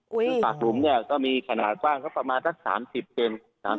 คือปากหลุมก็มีขนาดกว้างเพราะประมาณสัก๓๐เกน